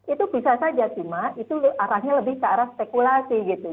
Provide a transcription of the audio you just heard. itu bisa saja cuma itu arahnya lebih ke arah spekulasi gitu